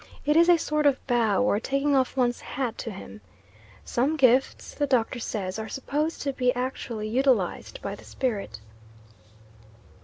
It is a sort of bow or taking off one's hat to him. Some gifts, the Doctor says, are supposed to be actually utilised by the spirit.